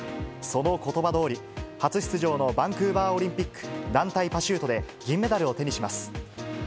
そのことばどおり、初出場のバンクーバーオリンピック団体パシュートで銀メダルを手にします。